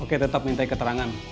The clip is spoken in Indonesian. oke tetap minta keterangan